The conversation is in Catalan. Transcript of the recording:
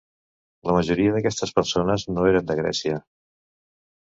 La majoria d'aquestes persones no eren de Grècia.